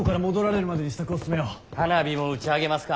花火も打ち上げますか。